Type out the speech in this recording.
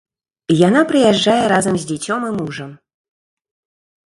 Яна прыязджае разам з дзіцём і мужам.